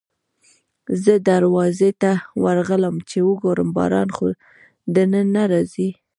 زه دروازې ته ورغلم چې وګورم باران خو دننه نه راځي.